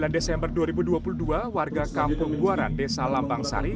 sembilan desember dua ribu dua puluh dua warga kampung buaran desa lambang sari